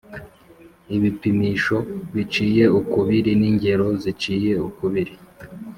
ibipimisho biciye ukubiri n’ingero ziciye ukubiri